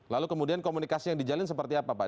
lalu kemudian komunikasi yang dijalin seperti apa pak